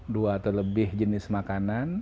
dua atau lebih jenis makanan